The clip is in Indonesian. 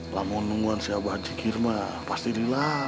lah mau nunggu si abah haji kirma pasti dirilah